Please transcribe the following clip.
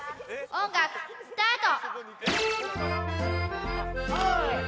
音楽スタート